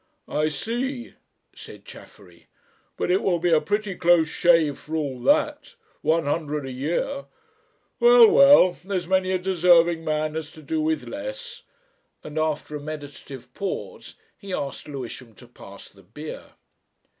"I see," said Chaffery; "but it will be a pretty close shave for all that one hundred a year. Well, well there's many a deserving man has to do with less," and after a meditative pause he asked Lewisham to pass the beer.